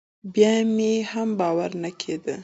بيا مې هم باور نه کېده.